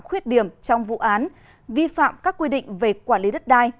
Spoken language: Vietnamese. khuyết điểm trong vụ án vi phạm các quy định về quản lý đất đai